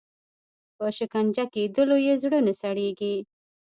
په شکنجه کېدلو یې زړه نه سړیږي.